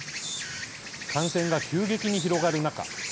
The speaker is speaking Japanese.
感染が急激に広がる中